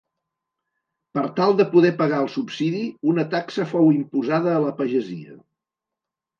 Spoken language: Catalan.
Per tal de poder pagar el subsidi, una taxa fou imposada a la pagesia.